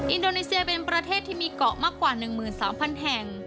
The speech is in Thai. อินโดนีเซียเป็นประเทศที่มีเกาะมากกว่า๑๓๐๐แห่ง